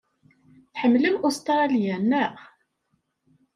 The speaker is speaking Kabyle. Tḥemmlem Ustṛalya, naɣ?